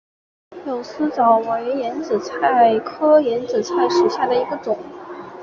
柳丝藻为眼子菜科眼子菜属下的一个种。